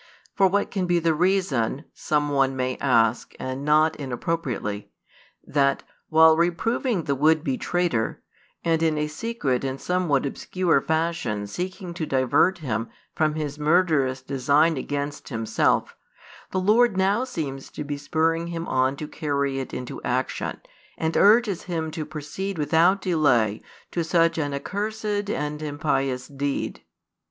"For what can be the reason," some one may ask, and not inappropriately, "that, while reproving the would be traitor, and in a secret and somewhat obscure fashion seeking to divert him from his murderous design against Himself, the Lord now seems to be spurring him on to carry it into action, and urges him to proceed without delay to such an accursed and impious deed?